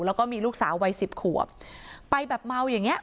แล้วก็มีลูกสาววัยสิบขวบไปแบบเมาอย่างเงี้